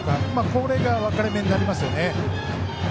これが分かれ目になりますよね。